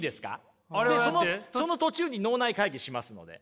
でその途中に脳内会議しますので。